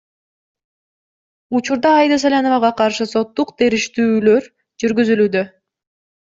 Учурда Аида Саляновага каршы соттук териштирүүлөр жүргүзүлүүдө.